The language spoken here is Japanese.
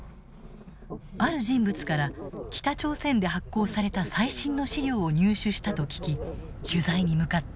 ある人物から北朝鮮で発行された最新の資料を入手したと聞き取材に向かった。